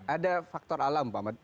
ada faktor alam pak